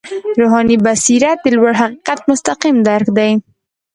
روحاني بصیرت د لوړ حقیقت مستقیم درک دی.